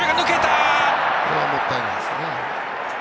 これはもったいないです。